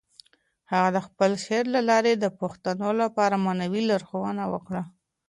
هغه د خپل شعر له لارې د پښتنو لپاره معنوي لارښوونه وکړه.